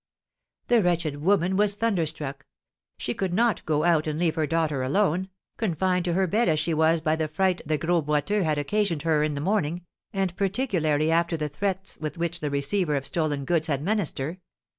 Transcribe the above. The wretched woman was thunderstruck. She could not go out and leave her daughter alone, confined to her bed as she was by the fright the Gros Boiteux had occasioned her in the morning, and particularly after the threats with which the receiver of stolen goods had menaced her.